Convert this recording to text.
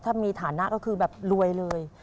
ถ้ามีฐานะก็คือแบบรวยเลย